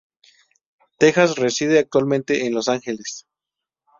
Texas reside actualmente en Los Ángeles.